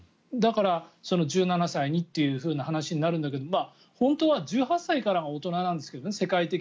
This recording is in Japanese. だから、１７歳にっていう話になるんだけど本当は１８歳からが大人なんですけどね。